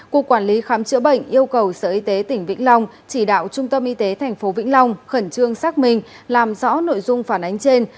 cục quản lý khám chữa bệnh yêu cầu sở y tế tỉnh vĩnh long chỉ đạo trung tâm y tế tp vĩnh long khẩn trương xác minh làm rõ nội dung phản ánh trên